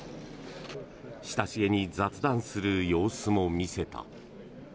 親しげに雑談する様子も見せた。